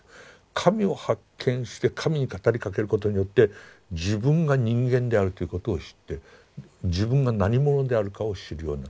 神を発見して神に語りかけることによって自分が人間であるということを知って自分が何者であるかを知るようになる。